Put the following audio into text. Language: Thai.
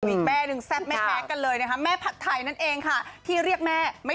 อีกแม่หนึ่งแซ่บไม่แพ้กันเลยนะคะแม่ผัดไทยนั่นเองค่ะที่เรียกแม่ไม่